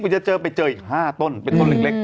ก็จะเจออีก๕ต้นเป็นต้นเล็ก